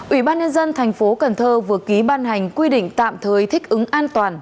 ủy ban nhân dân thành phố cần thơ vừa ký ban hành quy định tạm thời thích ứng an toàn